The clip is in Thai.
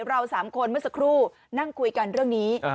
เรา๓คนเมื่อกี้สเข้าสรุปนั่งคุยกันเรื่องนี้